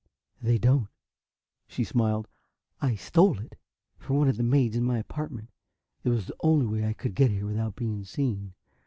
"They don't," she smiled. "I stole it! from one of the maids in my apartment. It was the only way I could get here without being seen.